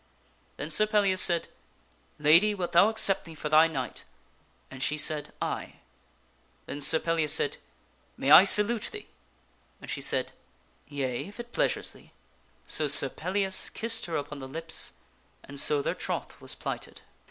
Then Sir Pellias said, " Lady, wilt thou accept me for thy knight? "and she said, " Aye." Then Sir Pellias said, " May I salute thee ?" And she said, " Yea, if it pleasures thee." So Sir Pellias kissed her upon the lips, and so their troth was plighted.